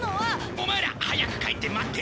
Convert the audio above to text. オマエら早く帰って待ってろ。